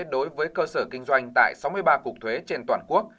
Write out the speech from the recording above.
đối với cơ sở kinh doanh tại sáu mươi ba cục thuế trên toàn quốc